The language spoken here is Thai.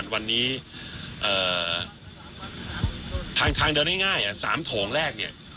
วันนี้ทางเดินง่าย๓โถงแรกเนี่ย